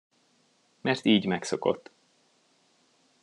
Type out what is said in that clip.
Mert így megszokott.